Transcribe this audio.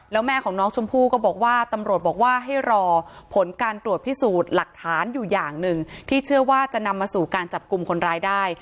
แล้วแม่ของน้องชมพู่ก็บอกว่าตำรวจบอกว่าให้รอผลการตรวจพิสูจน์หลักฐานอยู่อย่างหนึ่งที่เชื่อว่าจะนำมาสู่การจับกลุ่มคนร้ายได้